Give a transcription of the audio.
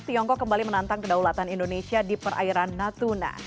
tiongkok kembali menantang kedaulatan indonesia di perairan natuna